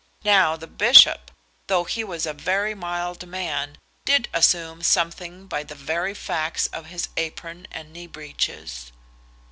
Now the bishop, though he was a very mild man, did assume something by the very facts of his apron and knee breeches.